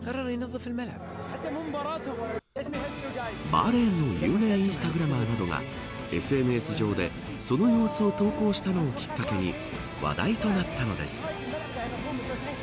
バーレーンの有名インスタグラマーなどがＳＮＳ上で、その様子を投稿したのをきっかけに話題となったのです。